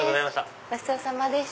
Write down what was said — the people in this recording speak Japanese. ごちそうさまでした。